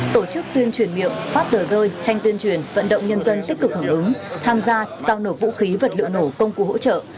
tổ chức tuyên truyền miệng phát tờ rơi tranh tuyên truyền vận động nhân dân tích cực hưởng ứng tham gia giao nộp vũ khí vật liệu nổ công cụ hỗ trợ